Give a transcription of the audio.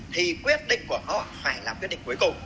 thì quyết định của họ phải làm quyết định cuối cùng